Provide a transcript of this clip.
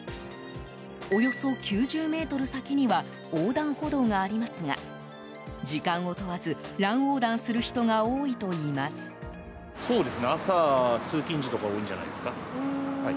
およそ９０ｍ先には横断歩道がありますが時間を問わず乱横断する人が多いといいます。